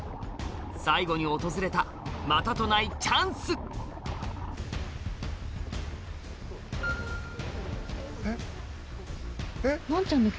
最後に訪れたまたとないチャンスのんちゃんの。